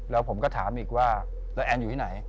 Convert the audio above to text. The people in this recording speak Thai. แล้วผมก็ถามอีกว่าแล้วแอนอยู่ที่ไหน